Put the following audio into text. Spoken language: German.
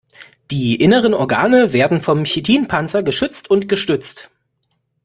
Die inneren Organe werden vom Chitinpanzer geschützt und gestützt.